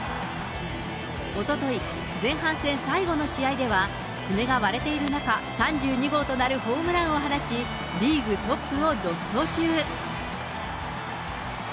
おととい、前半戦最後の試合では、爪が割れている中、３２号となるホームランを放ち、リーグトップを独走中。